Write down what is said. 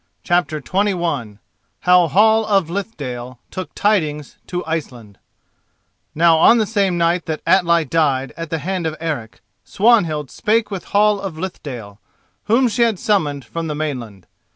CHAPTER XXI HOW HALL OF LITHDALE TOOK TIDINGS TO ICELAND Now on the same night that Atli died at the hand of Eric, Swanhild spake with Hall of Lithdale, whom she had summoned from the mainland.